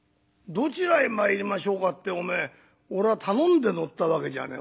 「どちらへ参りましょうかっておめえ俺は頼んで乗ったわけじゃねえ。